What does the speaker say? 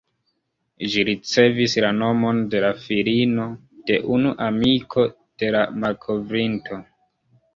Ĝi ricevis la nomon de la filino de unu amiko de la malkovrinto.